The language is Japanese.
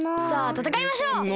さあたたかいましょう！